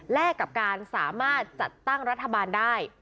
กับการสามารถจัดตั้งรัฐบาลได้